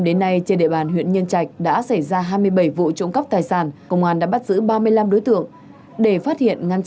để phát hiện ngăn chặn trị tài sản công an đã bắt giữ ba mươi năm đối tượng